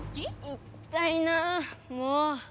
いったいなもう！